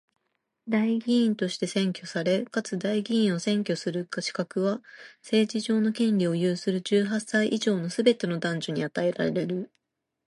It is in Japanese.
代議員として選挙され、かつ代議員を選挙する資格は、政治上の権利を有する十八歳以上のすべての男女に与えられる。